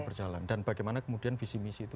berjalan dan bagaimana kemudian visi misi itu